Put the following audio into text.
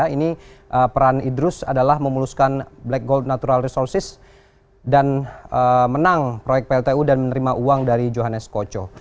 ini peran idrus adalah memuluskan black gold natural resources dan menang proyek pltu dan menerima uang dari johannes koco